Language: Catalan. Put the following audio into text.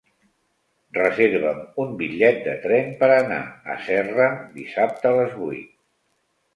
Reserva'm un bitllet de tren per anar a Serra dissabte a les vuit.